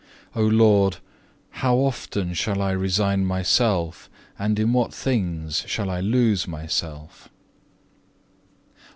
2. O Lord, how often shall I resign myself, and in what things shall I lose myself?